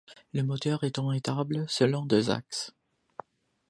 Le moteur est orientable selon deux axes.